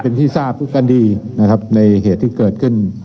เป็นที่ทราบกันดีนะครับในเหตุที่เกิดขึ้น